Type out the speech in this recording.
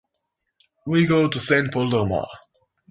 We go to Saint Pol de Mar.